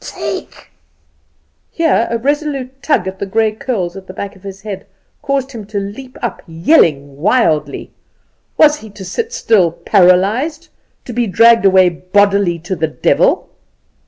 Take" Here a resolute tug at the grey curls at the back of his head caused him to leap up, yelling wildly. Was he to sit still paralyzed, to be dragged away bodily to the devil?